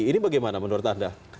ini bagaimana menurut anda